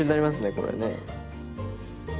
これね。